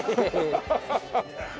ハハハハ。